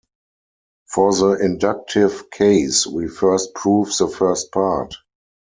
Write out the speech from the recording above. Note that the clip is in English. For the inductive case, we first prove the first part.